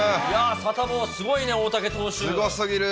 サタボー、すごいね、大竹投すごすぎる。